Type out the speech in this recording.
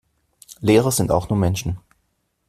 Lehrer sind auch nur Menschen.